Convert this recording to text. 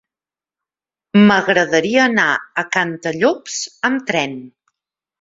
M'agradaria anar a Cantallops amb tren.